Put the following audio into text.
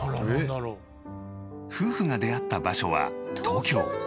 夫婦が出会った場所は東京。